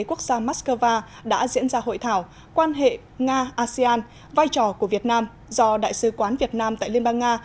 quốc gia moscow đã diễn ra hội thảo quan hệ nga asean vai trò của việt nam do đại sứ quán việt nam tại liên bang nga